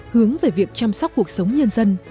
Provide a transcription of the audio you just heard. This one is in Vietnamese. hướng về việc chăm sóc cuộc sống nhân dân